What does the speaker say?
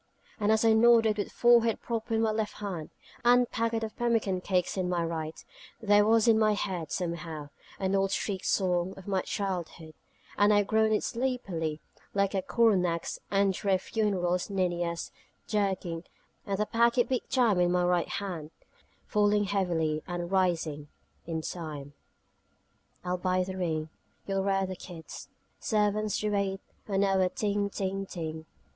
And as I nodded, with forehead propped on my left hand, and the packet of pemmican cakes in my right, there was in my head, somehow, an old street song of my childhood: and I groaned it sleepily, like coronachs and drear funereal nenias, dirging; and the packet beat time in my right hand, falling and raising, falling heavily and rising, in time. I'll buy the ring, You'll rear the kids: Servants to wait on our ting, ting, ting.